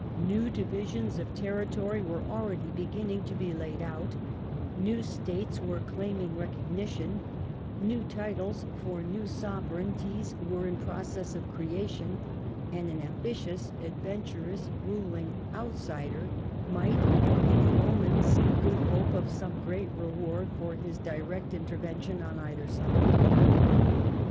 New divisions of territory were already beginning to be laid out ; new States were claiming recognition ; new titles for new sove reignties were in process of creation, and an am bitious, adventurous, ruling ' outsider ' might at any moment see good hope of some great reward for his direct intervention on either side.